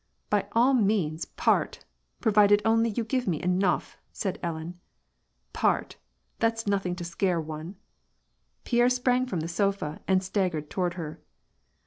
" By all means, part, provided only you give me enough," said Ellen. " Part ! That's nothing to scare one !" Pierre sprang from the sofa, and staggered toward her.